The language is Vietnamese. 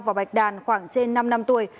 và bạch đàn khoảng trên năm năm tuổi